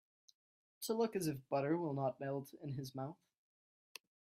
To look as if butter will not melt in his mouth.